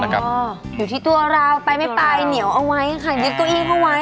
ก็อยู่ที่ตัวเราไปไม่ไปเหนียวเอาไว้ค่ะยึดเก้าอี้เข้าไว้